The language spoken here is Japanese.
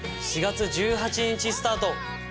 ４月１８日スタート。